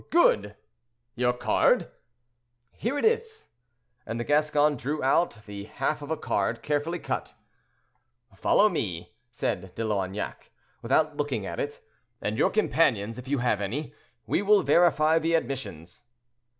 "Good! Your card?" "Here it is;" and the Gascon drew out the half of a card, carefully cut. "Follow me," said De Loignac, without looking at it, "and your companions, if you have any. We will verify the admissions."